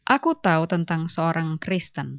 aku tahu tentang seorang kristen